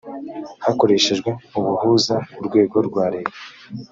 hakoreshejwe ubuhuza urwego rwa leta